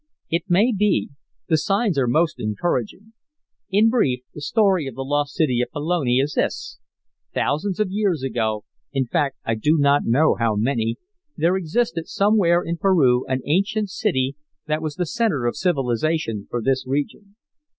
"It may be. The signs are most encouraging. In brief, the story of the lost city of Pelone is this. Thousands of years ago in fact I do not know how many there existed somewhere in Peru an ancient city that was the centre of civilization for this region.